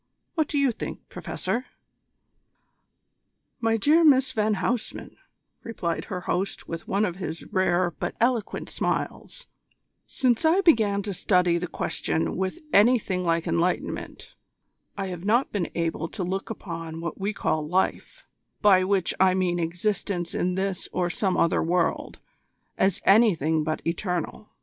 What do you think, Professor?" "My dear Miss van Huysman," replied her host with one of his rare but eloquent smiles, "since I began to study the question with anything like enlightenment, I have not been able to look upon what we call life, by which I mean existence in this or some other world, as anything but eternal.